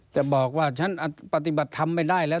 จะบอกว่าฉันปฏิบัติธรรมไม่ได้แล้ว